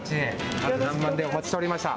春らんまんでお待ちしておりました。